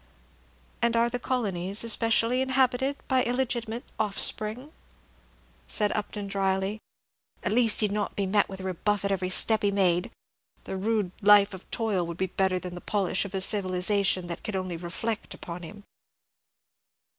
"And are the colonies especially inhabited by illegitimate offspring?" said Upton, dryly. "At least he'd not be met with a rebuff at every step he made. The rude life of toil would be better than the polish of a civilization that could only reflect upon him."